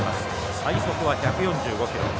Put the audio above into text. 最速は１４５キロ。